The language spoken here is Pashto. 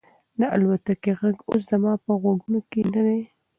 د الوتکې غږ اوس زما په غوږونو کې نه دی.